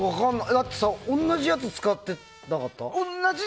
だって同じやつ使ってなかった？